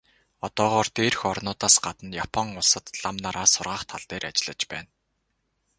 Одоогоор дээрх орнуудаас гадна Япон улсад лам нараа сургах тал дээр ажиллаж байна.